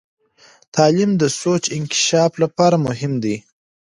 تعلیم د سوچ انکشاف لپاره مهم دی.